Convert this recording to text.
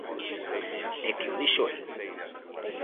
¡É que o dixo el!